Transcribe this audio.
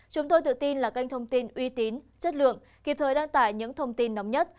chúng tôi tự tin là kênh thông tin uy tín chất lượng kịp thời đăng tải những thông tin nóng nhất